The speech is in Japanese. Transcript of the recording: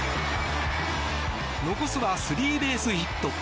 残すはスリーベースヒット。